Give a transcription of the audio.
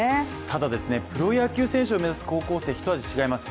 ただプロ野球選手を目指す高校生は一味違います。